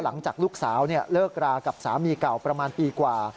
หลังจากลูกสาวเลิกรากับสามีเก่าประมาณปีกว่า